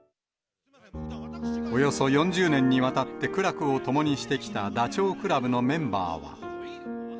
およそ４０年にわたって苦楽を共にしてきたダチョウ倶楽部のメンバーは。